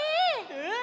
うん！